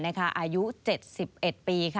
อายุ๗๑ปี